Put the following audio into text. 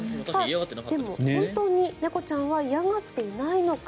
では、本当に猫ちゃんは嫌がっていないのか。